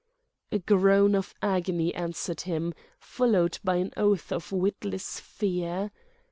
A groan of agony answered him, followed by an oath of witless fear.